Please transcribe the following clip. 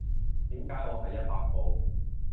點解我係一百步